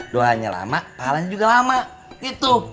doanya lama pahalanya juga lama gitu